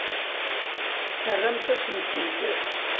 Terramt-asen-tt-id.